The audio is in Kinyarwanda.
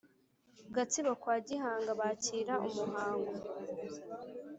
gatsibo kwa gihanga bakira umuhango